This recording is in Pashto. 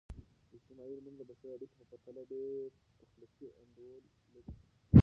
اجتماعي علمونه د بشري اړیکو په پرتله ډیر تخلیقي انډول لري.